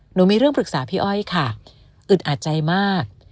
มีเรื่องปรึกษาพี่อ้อยค่ะอึดอัดใจมาก